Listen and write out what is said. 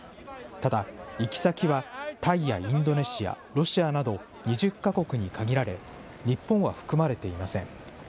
ただ、行き先はタイやインドネシア、ロシアなど２０か国に限られ、日本は含まれていません。